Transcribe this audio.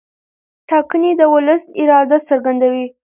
ټاکنې د ولس اراده څرګندوي